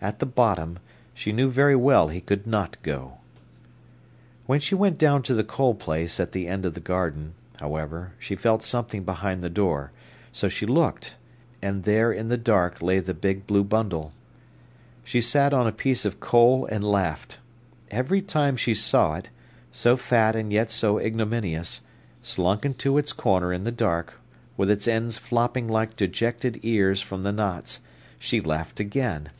At the bottom, she knew very well he could not go. When she went down to the coal place at the end of the garden, however, she felt something behind the door. So she looked. And there in the dark lay the big blue bundle. She sat on a piece of coal and laughed. Every time she saw it, so fat and yet so ignominious, slunk into its corner in the dark, with its ends flopping like dejected ears from the knots, she laughed again.